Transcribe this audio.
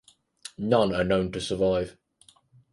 None are known to survive.